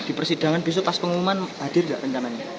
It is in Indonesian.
di persidangan besok pas pengumuman hadir nggak rencananya